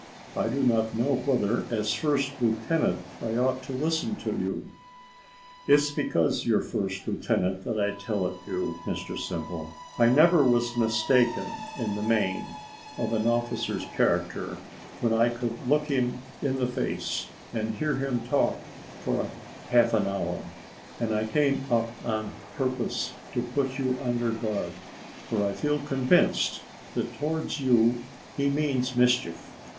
I do not know whether, as first lieutenant, I ought to listen to you." "It's because you're first lieutenant that I tell it you, Mr Simple. I never was mistaken, in the main, of an officer's character, when I could look him in the face, and hear him talk for half an hour; and I came up on purpose to put you on your guard: for I feel convinced, that towards you he means mischief.